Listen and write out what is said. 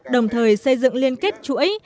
đồng thời xây dựng liên kết chuỗi